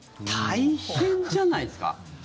大変じゃないですか？